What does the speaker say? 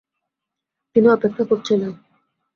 তিনি অপেক্ষা কছিলেন।